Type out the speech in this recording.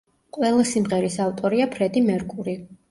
ყველა სიმღერის ავტორია ფრედი მერკური.